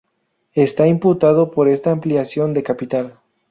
Está imputado por esta ampliación de capital.